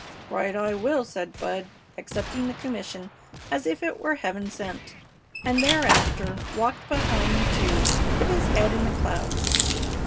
"Right I will," said Bud, accepting the commission as if it were Heaven sent, and thereafter walked behind the two with his head in the clouds.